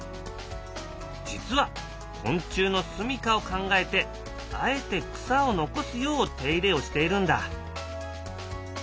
実は昆虫のすみかを考えてあえて草を残すよう手入れをしているんだ。